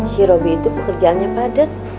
si roby itu pekerjaannya padat